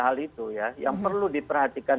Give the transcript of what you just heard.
hal itu ya yang perlu diperhatikan